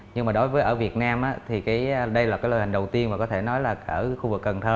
nhưng mà đối với ở việt nam thì đây là cái loại hình đầu tiên mà có thể nói là ở khu vực cần thơ